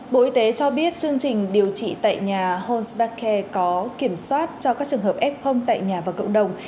bộ y tế cho biết chương trình điều trị tại nhà honsdakcare có kiểm soát cho các trường hợp f tại nhà và cộng đồng